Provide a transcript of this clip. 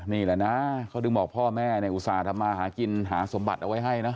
นี่แหละนะเขาถึงบอกพ่อแม่เนี่ยอุตส่าห์ทำมาหากินหาสมบัติเอาไว้ให้นะ